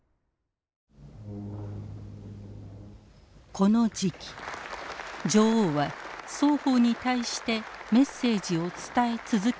この時期女王は双方に対してメッセージを伝え続けていた。